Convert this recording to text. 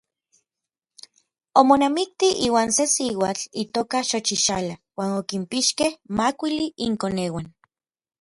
Omonamikti iuan se siuatl itoka Xochixala uan okinpixkej makuili inkoneuan.